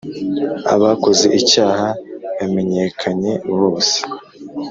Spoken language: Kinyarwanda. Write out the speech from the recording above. Abakoze icyaha bamenyekanye bose